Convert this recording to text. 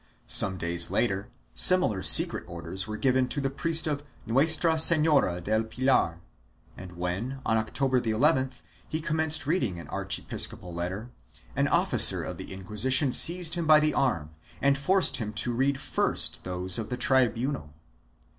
Some days later similar secret orders were given to the priest of Nuestra Sefiora del Pilar and when, on October llth, he commenced reading an archiepiscopal letter, an officer of the Inquisition seized him by the arm and forced him to read first those of the tribunal.